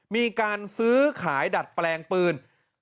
มีการซื้อขายดัดแปลงปืน